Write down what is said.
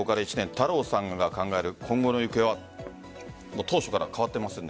太郎さんが考える今後の行方は当初から変わってませんね。